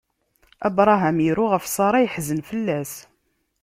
Abṛaham iru ɣef Ṣara, iḥzen fell-as.